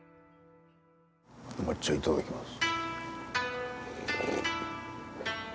お抹茶いただきます。